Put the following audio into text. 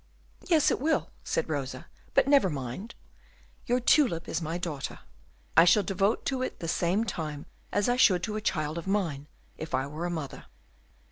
"Yes, it will," said Rosa; "but never mind. Your tulip is my daughter. I shall devote to it the same time as I should to a child of mine, if I were a mother.